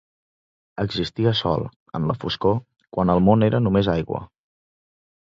Existia sol, en la foscor, quan el món era només aigua.